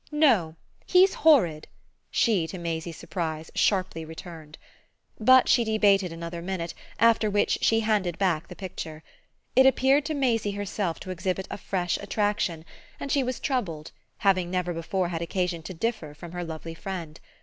"No he's horrid," she, to Maisie's surprise, sharply returned. But she debated another minute, after which she handed back the picture. It appeared to Maisie herself to exhibit a fresh attraction, and she was troubled, having never before had occasion to differ from her lovely friend.